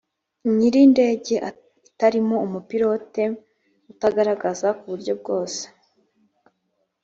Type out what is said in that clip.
nyir indege itarimo umupilote utagaragaza ku buryo bwose